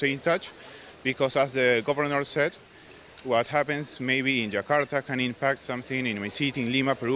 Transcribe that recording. karena seperti yang dikatakan oleh pemerintah apa yang terjadi di jakarta mungkin dapat mempengaruhi sesuatu di lima peru